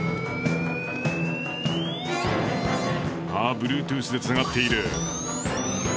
あブルートゥースでつながっている。